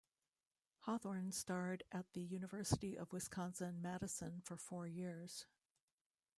Hawthorne starred at the University of Wisconsin-Madison for four years.